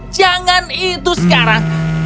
jangan itu sekarang